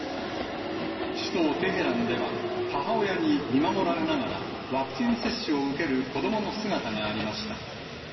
首都テヘランでは、母親に見守られながらワクチン接種を受ける子どもの姿がありました。